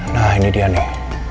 nah ini dia nih